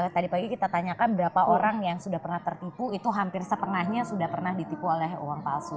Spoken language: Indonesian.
tadi pagi kita tanyakan berapa orang yang sudah pernah tertipu itu hampir setengahnya sudah pernah ditipu oleh uang palsu